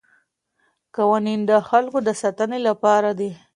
قوانین د خلګو د ساتنې لپاره دي.